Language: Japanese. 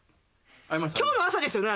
今日の朝ですよね？